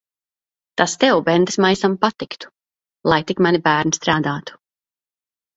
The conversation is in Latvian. Tas tev, bendesmaisam, patiktu. Lai tik mani bērni strādātu.